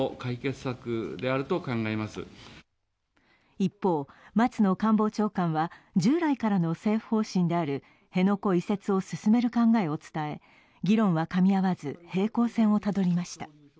一方、松野官房長官は従来からの政府方針である辺野古移設を進める考えを伝え議論はかみ合わず、平行線をたどりました。